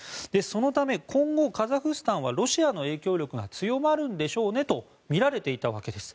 そのため、今後カザフスタンはロシアの影響力が強まるんでしょうねとみられていたわけです。